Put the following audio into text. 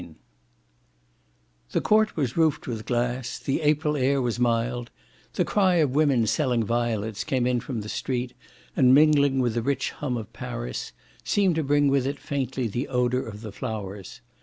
II The court was roofed with glass; the April air was mild; the cry of women selling violets came in from the street and, mingling with the rich hum of Paris, seemed to bring with it faintly the odour of the flowers.